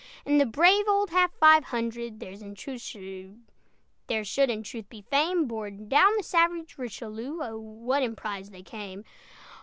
And the brave old half five hundred! Theirs should in truth be fame; Borne down the savage Richelieu, On what emprise they came!